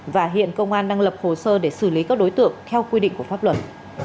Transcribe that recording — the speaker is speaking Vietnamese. và hiện công an đang lập hồ sơ để xử lý các đối tượng theo quy định của pháp luật